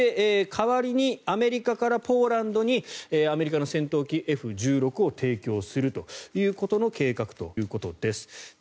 代わりにアメリカからポーランドにアメリカの戦闘機Ｆ１６を提供するという計画ということです。